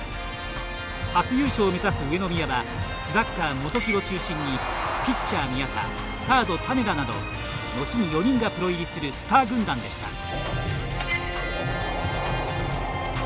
初優勝を目指す上宮はスラッガー・元木を中心にピッチャー・宮田サード・種田などのちに４人がプロ入りするスター軍団でした。